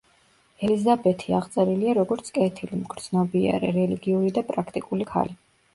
ელიზაბეთი აღწერილია როგორც კეთილი, მგრძნობიარე, რელიგიური და პრაქტიკული ქალი.